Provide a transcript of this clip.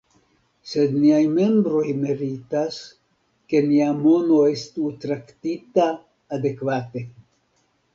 Sed niaj membroj meritas, ke nia mono estu traktita adekvate.